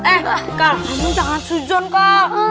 eh kamu jangan suzon kak